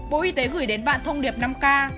bộ y tế gửi đến bạn thông điệp năm k